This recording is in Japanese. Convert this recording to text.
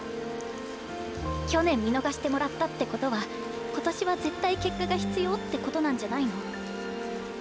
去年見逃してもらったってことは今年は絶対結果が必要ってことなんじゃないの？